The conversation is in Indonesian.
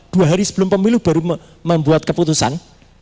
dua hari sebelum pemilu baru membuat keputusan